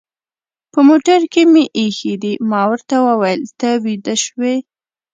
په موټر کې مې اېښي دي، ما ورته وویل: ته ویده شوې؟